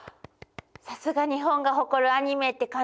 さすが日本が誇るアニメって感じね！